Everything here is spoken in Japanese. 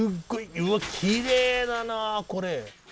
うわっきれいだなあこれ。